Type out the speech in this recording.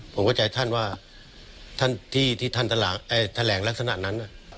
ผมเข้าใจท่านว่าท่านที่ท่านแถลงลักษณะนั้น